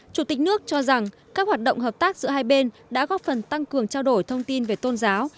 chủ tịch nước cho rằng các hoạt động hợp tác giữa hai bên đã góp phần tăng cường trao đổi thông tin về tôn giáo